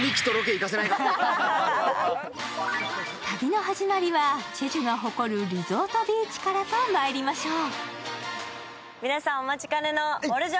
旅の始まりはチェジュが誇るリゾートビーチからとまいりましょう。